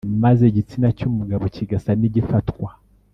maze igitsina cy’umugabo kigasa n’igifatwa